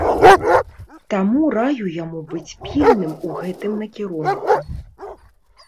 Таму раю яму быць пільным у гэтым накірунку.